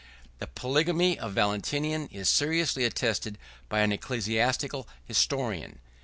] The polygamy of Valentinian is seriously attested by an ecclesiastical historian.